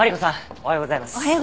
おはようございます。